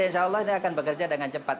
insya allah ini akan bekerja dengan cepat